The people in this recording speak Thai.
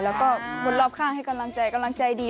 แล้วก็คนรอบข้างให้กำลังใจกำลังใจดี